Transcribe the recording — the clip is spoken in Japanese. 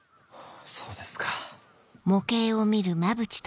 そうですか。